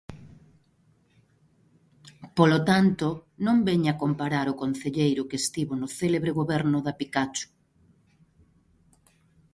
Polo tanto, non veña comparar o concelleiro que estivo no célebre goberno da Pikachu.